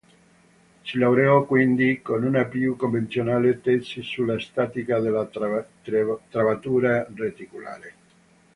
Si laureò, quindi, con una più convenzionale tesi sulla statica della travatura reticolare.